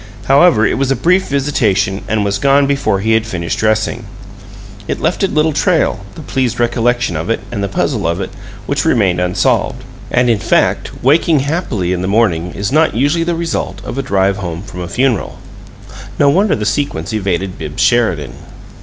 However, it was a brief visitation and was gone before he had finished dressing. It left a little trail, the pleased recollection of it and the puzzle of it, which remained unsolved. And, in fact, waking happily in the morning is not usually the result of a drive home from a funeral. No wonder the sequence evaded Bibbs Sheridan!